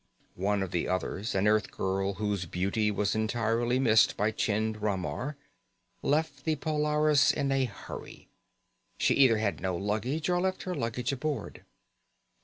One of the others, an Earthgirl whose beauty was entirely missed by Chind Ramar, left the Polaris in a hurry. She either had no luggage or left her luggage aboard.